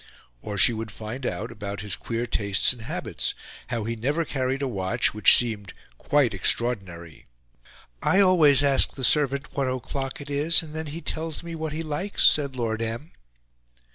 Or she would find out about his queer tastes and habits how he never carried a watch, which seemed quite extraordinary. "'I always ask the servant what o'clock it is, and then he tells me what he likes,' said Lord M."